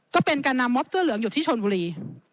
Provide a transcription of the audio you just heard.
ก็เป็นการนำมอบเสื้อเหลืองอยู่ที่ชนบุรี